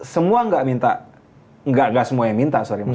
semua gak minta gak semuanya minta sorry